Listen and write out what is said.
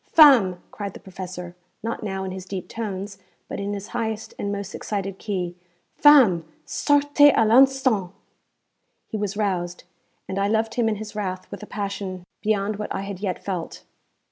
'Femme!' cried the professor, not now in his deep tones, but in his highest and most excited key 'femme! sortez à l'instant!' He was roused, and I loved him in his wrath with a passion beyond what I had yet felt.